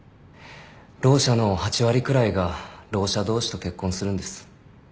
ろう者の８割くらいがろう者同士と結婚するんです。